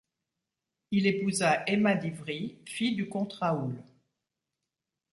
Il épousa Emma d'Ivry, fille du comte Raoul.